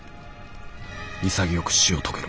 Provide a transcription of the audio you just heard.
潔く死を遂げろ。